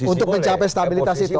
untuk mencapai stabilitas itu